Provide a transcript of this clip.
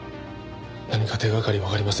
何か手がかりわかりませんかね？